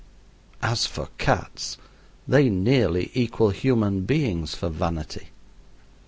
As for cats, they nearly equal human beings for vanity.